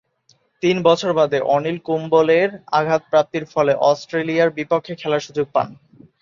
তিন বছর বাদে অনিল কুম্বলে’র আঘাতপ্রাপ্তির ফলে অস্ট্রেলিয়ার বিপক্ষে খেলার সুযোগ পান।